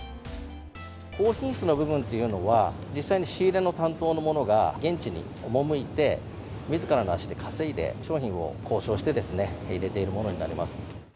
高品質の部分というのは、実際に仕入れの担当の者が現地に赴いて、みずからの足で稼いで、商品を交渉して入れているものになります。